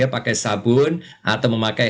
pakai sabun atau memakai